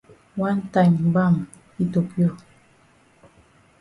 Wan time gbam yi tokio.